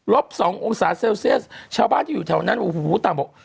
ลบสององศาเซลเซย์ชาวบ้านที่อยู่แถวนั้นอู้หูหูต่ำออก